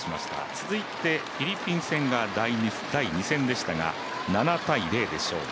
続いて、フィリピン戦が第２戦でしたが７−０で勝利